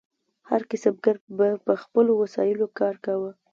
هر کسبګر به په خپلو وسایلو کار کاوه.